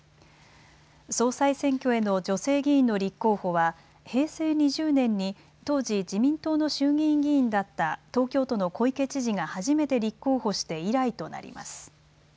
総裁選挙への女性議員の立候補は平成２０年に当時、自民党の衆議院議員だった東京都の小池知事が初めて立候補して以来となります。